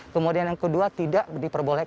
kemudian yang kedua tidak diperbolehkan